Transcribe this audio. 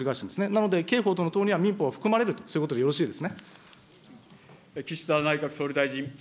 なので、刑法の等には民法は含まれる、そういうことでよろしいですね。